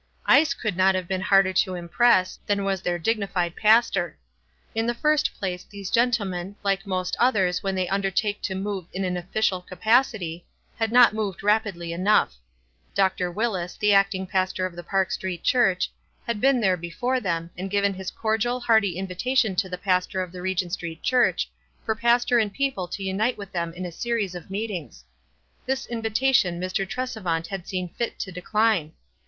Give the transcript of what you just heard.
lee could not have been harder to impress, than was their dignified pastor. In the first place these gentlemen, like most others when they undertake to move in an official ca pacity, had not moved rapidly enough. Dr. 316 WISE AND OTHERWISE. Wiftis, the acting pastor of the Park Street Church, had been there before them, and given lis cordial, hearty invitation to the pastor of the Regent Street Church for pastor and people to unite with them in a series of meetings. This invitation Mr. Tresevant had seen fit to decline.